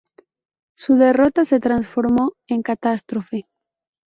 Su derrota se transformó en catástrofe.